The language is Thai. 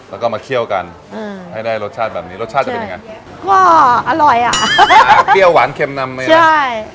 แล้วก็มาเคี่ยวกันอืมให้ได้รสชาติแบบนี้รสชาติจะเป็นยังไงก็อร่อยอ่ะเปรี้ยวหวานเค็มนำไปเลยใช่